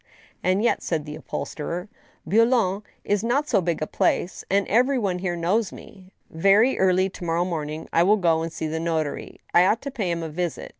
" And yet," said the upholsterer, " Boulogne is not so big a place, and every one here knows me. Very early to morrow morning I will go and see the notary. I ought to pay him a visit.